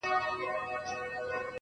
• څوک چي ددې دور ملګري او ياران ساتي..